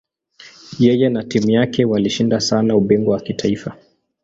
Yeye na timu yake walishinda sana ubingwa wa kitaifa.